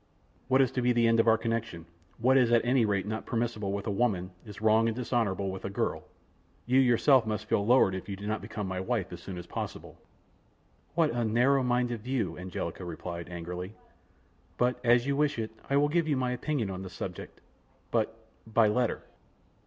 "What is to be the end of our connection? What is at any rate not permissible with a woman, is wrong and dishonorable with a girl. You yourself must feel lowered if you do not become my wife as soon as possible." "What a narrow minded view," Angelica replied, angrily, "but as you wish it, I will give you my opinion on the subject, but ... by letter."